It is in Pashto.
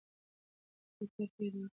نورو ته کار پیدا کړئ.